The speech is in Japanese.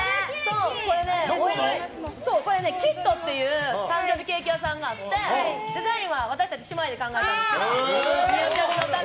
これね、Ｋｉｔｔっていう誕生日ケーキ屋さんがあってデザインは私たち姉妹で考えたんです。